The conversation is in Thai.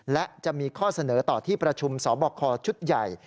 และจะมีข้อเสนอต่อที่ประชุมสบคชุดใหญ่